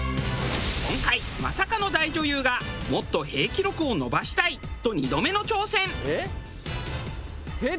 今回まさかの大女優が「もっと“へぇ”記録を伸ばしたい！」と２度目の挑戦。